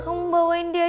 kamu bawain dia jeruk